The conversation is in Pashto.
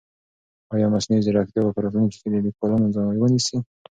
آیا مصنوعي ځیرکتیا به په راتلونکي کې د لیکوالانو ځای ونیسي؟